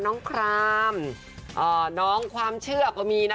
ครามน้องความเชื่อก็มีนะ